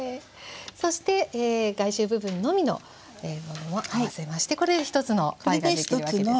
そして外周部分のみのものも合わせましてこれで１つのパイができるわけですね。